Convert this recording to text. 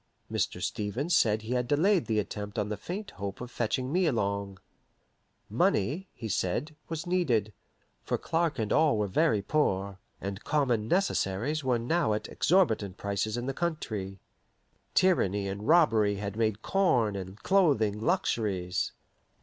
Mr. Stevens said he had delayed the attempt on the faint hope of fetching me along. Money, he said, was needed, for Clark and all were very poor, and common necessaries were now at exorbitant prices in the country. Tyranny and robbery had made corn and clothing luxuries.